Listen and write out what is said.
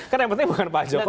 kan yang penting bukan pak jokowi